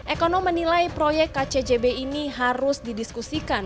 ekonomi menilai proyek kcjb ini harus didiskusikan